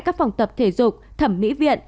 các phòng tập thể dục thẩm mỹ viện